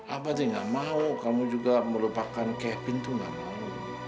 apa itu tidak mau kamu juga melupakan kevin itu tidak mau